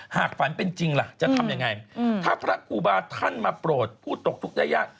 ฝันเป็นจริงล่ะจะทำยังไงถ้าพระครูบาท่านมาโปรดผู้ตกทุกข์ได้ยาก